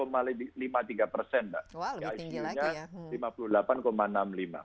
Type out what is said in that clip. wah lebih tinggi lagi ya